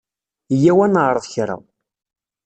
Eyya-w ad naɛṛeḍ kra.